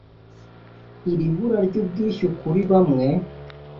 Iri bura ry’ubwishyu kuri bamwe